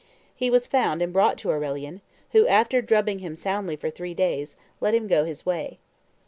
He was found and brought to Aurelian, who, after drubbing him soundly for three days, let him go his way.